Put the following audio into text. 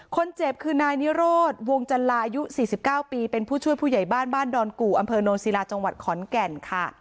คนเจ็บคือนายนิโรธวงจันลาอายุ๔๙ปีเป็นผู้ช่วยผู้ใหญ่บ้านบ้านดอนกู่อำเภอโนนศิลาจังหวัดขอนแก่นค่ะ